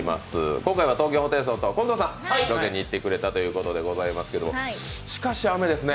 今回は東京ホテイソンと近藤さんがロケに行ってくれたということでございますけれども、しかし雨ですね。